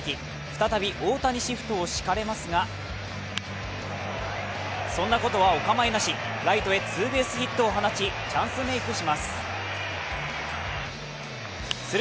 再び大谷シフトを敷かれますがそんなことはお構いなし、ライトへツーベースヒットを放ちチャンスメークします。